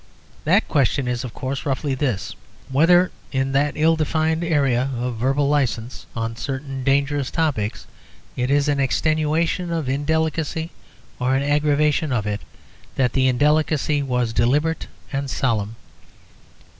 That question is, of course, roughly this: whether in that ill defined area of verbal licence on certain dangerous topics it is an extenuation of indelicacy or an aggravation of it that the indelicacy was deliberate and solemn.